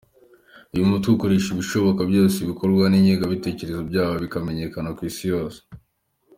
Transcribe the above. Uyu mutwe ukoresha ibishoboka byose ibikorwa n’ingengabitekerezo byawo bikamenyekana ku Isi yose.